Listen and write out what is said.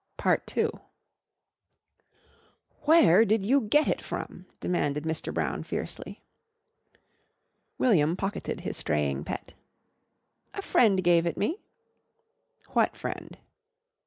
II "Where did you get it from?" demanded Mr. Brown fiercely. William pocketed his straying pet. "A friend gave it me." "What friend?"